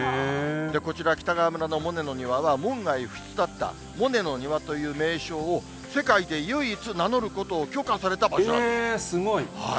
こちら、北川村のモネの庭は、門外不出だった、モネの庭という名称を、世界で唯一、名乗ることすごい。